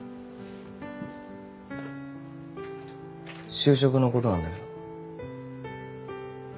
就職のことなんだけど。